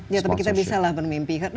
ya tapi kita bisa lah bermimpi